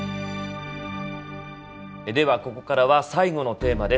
ではここからは最後のテーマです。